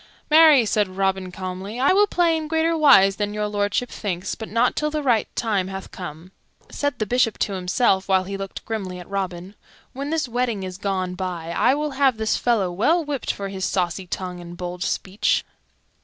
"Marry," said Robin calmly, "I will play in greater wise than Your Lordship thinks, but not till the right time hath come." Said the Bishop to himself, while he looked grimly at Robin, "When this wedding is gone by I will have this fellow well whipped for his saucy tongue and bold speech."